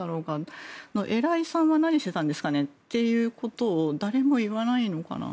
お偉いさんは何してたんですかねということを誰も言わないのかな。